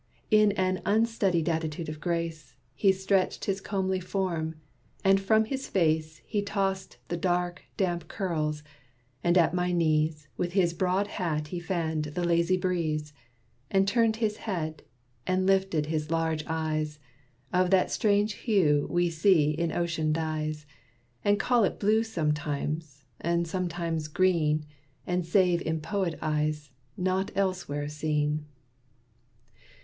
In an unstudied attitude of grace, He stretched his comely form; and from his face He tossed the dark, damp curls; and at my knees, With his broad hat he fanned the lazy breeze, And turned his head, and lifted his large eyes, Of that strange hue we see in ocean dyes, And call it blue sometimes, and sometimes green And save in poet eyes, not elsewhere seen.